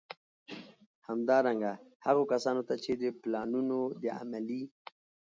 همدارنګه، هغو کسانو ته چي د پلانونو د عملي